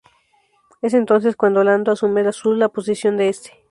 Es entonces cuando Lando asume su la posesión de este.